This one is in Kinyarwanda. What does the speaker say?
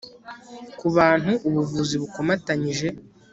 ku bantu ubuvuzi bukomatanyije